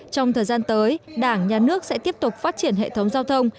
trong thời gian tới đảng nhà nước sẽ tiếp tục phát triển hệ thống giao thông